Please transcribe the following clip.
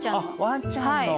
ワンちゃんの。